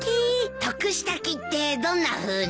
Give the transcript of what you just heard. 得した気ってどんなふうに？